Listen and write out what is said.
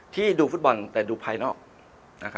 ที่ดูฟุตบอลแต่ดูภายนอก